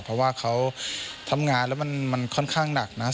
เพราะว่าทำงานแล้วมันค่อนข้างหนัก